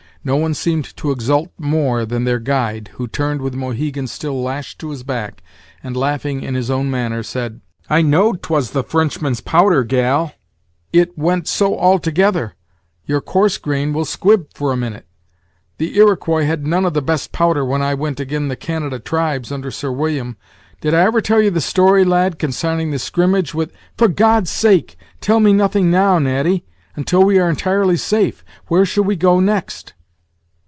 No one seemed to exult more than their guide, who turned, with Mohegan still lashed to his back, and, laughing in his own manner, said: "I knowed 'twa the Frenchman's powder, gal; it went so all together; your coarse grain will squib for a minute. The Iroquois had none of the best powder when I went agin' the Canada tribes, under Sir William. Did I ever tell you the story, lad, consarning the scrimmage with " "For God's sake, tell me nothing now, Natty, until we are entirely safe. Where shall we go next?"